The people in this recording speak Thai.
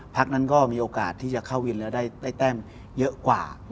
พักนั้นก็มีโอกาสที่จะเข้าวินแล้วได้แต้มเยอะกว่า